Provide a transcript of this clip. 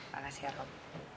makasih ya rob